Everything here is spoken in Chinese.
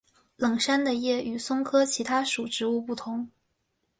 冷杉的叶与松科其他属植物不同。